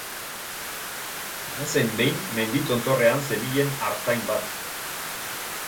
Bazen behin mendi tontorrean zebilen artzain bat.